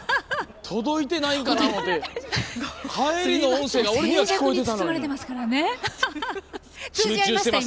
届いてないんかなと思って返りの音声が俺には聞こえていたのに。